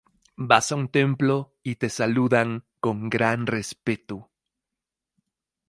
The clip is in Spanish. Vas a un templo y te saludan con gran respeto.